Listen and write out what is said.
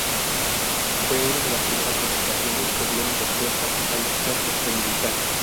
Fue una de las primeras publicaciones que dieron respuesta al descanso dominical.